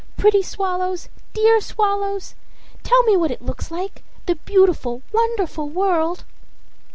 Pretty swallows, dear swallows! tell me what it looks like the beautiful, wonderful world!"